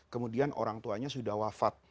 kemudian orang tuanya sudah wafat